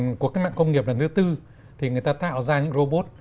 các cuộc cách mạng công nghiệp lần thứ bốn thì người ta tạo ra những robot